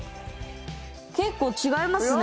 結構違いますね。